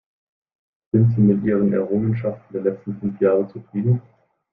Sind Sie mit Ihren Errungenschaften der letzten fünf Jahre zufrieden?